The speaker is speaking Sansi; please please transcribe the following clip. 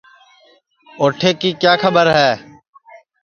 اوٹھے کی کیا کھٻر ہے